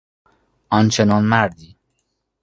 آن چنان مردی